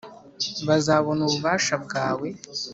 bazabona ububasha bwawe!